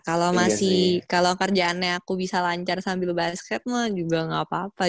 kalau masih kalau kerjaannya aku bisa lancar sambil basket mah juga gak apa apa